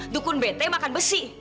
dukun bete makan besi